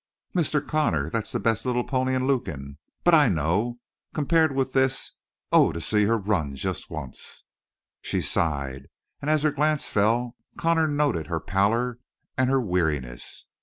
"Mr. Connor, that's the best little pony in Lukin! But I know compared with this oh, to see her run, just once!" She sighed, and as her glance fell Connor noted her pallor and her weariness.